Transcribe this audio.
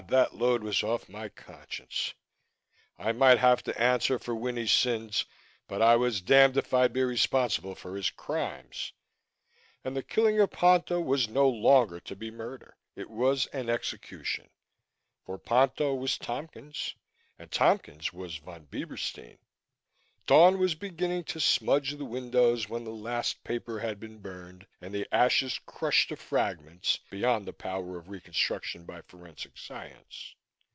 that load was off my conscience. I might have to answer for Winnie's sins but I was damned if I'd be responsible for his crimes. And the killing of Ponto was no longer to be murder, it was an execution. For Ponto was Tompkins and Tompkins was Von Bieberstein. Dawn was beginning to smudge the windows when the last paper had been burned and the ashes crushed to fragments beyond the power of reconstruction by forensic science.